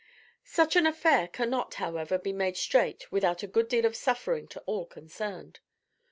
Such an affair cannot, however, be made straight without a good deal of suffering to all concerned.